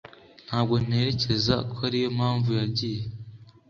Ntabwo ntekereza ko ariyo mpamvu yagiye.